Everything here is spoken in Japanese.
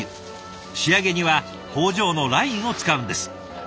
仕上げには工場のラインを使うんです。